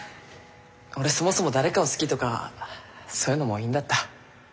俺そもそも誰かを好きとかそういうのもういいんだった。